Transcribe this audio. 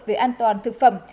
về an toàn thực phẩm